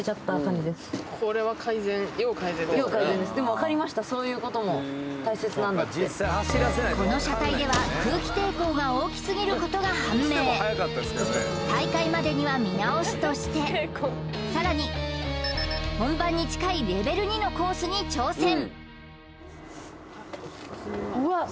多分うん割れたこの車体では空気抵抗が大きすぎることが判明大会までには見直すとしてさらに本番に近いレベル２のコースに挑戦